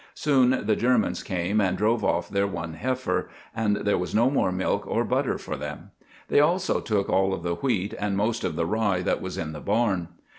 Soon the Germans came and drove off their one heifer, and there was no more milk or butter for them. They also took all of the wheat and most of the rye that was in the barn.